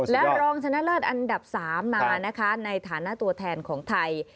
และรองชนะเลิศอันดับ๓มานะคะในฐานะตัวแทนของไทย